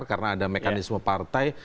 karena ada mekanisme partai